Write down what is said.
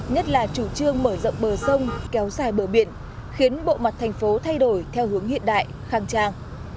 nhất là chủ trương mở rộng bờ sông kéo dài bờ biển khiến bộ mặt thành phố thay đổi theo hướng hiện đại khang trang